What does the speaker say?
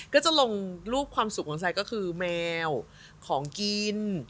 ก็จะลงรูปความสุขของไซดก็คือแมวของกิน